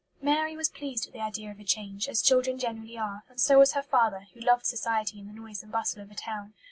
Mary was pleased at the idea of a change, as children generally are; and so was her father, who loved society and the noise and bustle of a town.